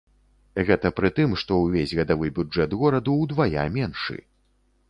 Гэта пры тым, што ўвесь гадавы бюджэт гораду ўдвая меншы.